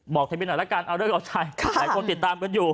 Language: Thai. ทะเบียนหน่อยละกันเอาเลิกเอาชัยหลายคนติดตามกันอยู่